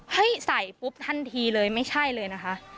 ให้ใส่ปุ๊บทันทีเลยไม่ใช่เลยนะคะ